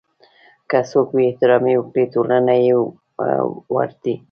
که څوک بې احترامي وکړي ټولنه یې ورټي.